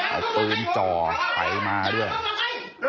เอาตื้นจอไฟมาด้วย